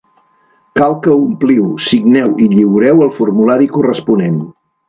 Cal que ompliu, signeu i lliureu el formulari corresponent.